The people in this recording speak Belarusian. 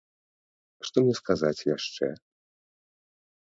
Што мне сказаць яшчэ?